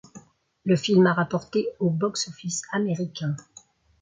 Le film a rapporté au box-office américain.